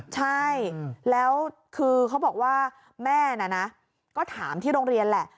ใช่แล้วคือเขาบอกว่าแม่น่ะนะก็ถามที่โรงเรียนแหละ